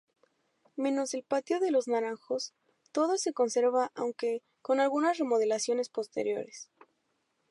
Menos el Patio de los Naranjos, todo se conserva aunque, con algunas remodelaciones posteriores.